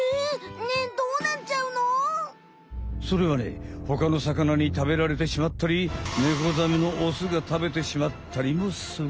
それはねほかのさかなに食べられてしまったりネコザメのオスが食べてしまったりもする！